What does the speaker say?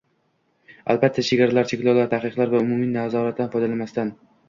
Albatta, chegaralar, cheklovlar, taqiqlar va umumiy nazoratdan foydalanmasdan